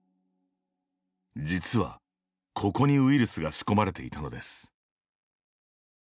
実は、ここにウイルスが仕込まれていたのです。